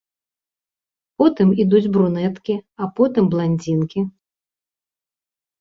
Потым ідуць брунеткі, а потым бландзінкі.